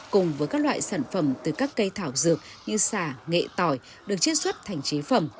cùng với các loại sản phẩm từ các cây thảo dược như xà nghệ tỏi được chiết xuất thành chế phẩm